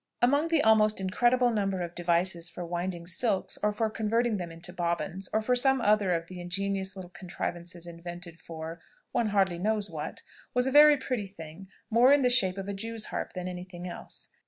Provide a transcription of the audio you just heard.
Among the almost incredible number of devices for winding silks, or for converting them into bobbins, or for some other of the ingenious little contrivances invented for one hardly knows what, was a very pretty thing, more in the shape of a Jew's harp than any thing else.